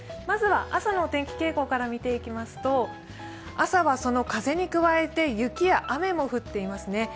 まずは朝の天気傾向から見ていきますと、朝はその風に加えて雪や雨も降っていますね。